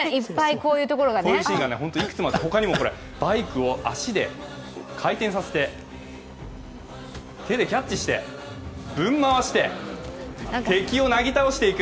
こういうシーンがいくつもあって、他にもバイクを足で回転させて手でキャッチしてぶん回して敵をなぎ倒していく。